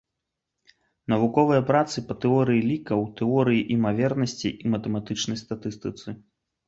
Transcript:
Навуковыя працы па тэорыі лікаў, тэорыі імавернасцей і матэматычнай статыстыцы.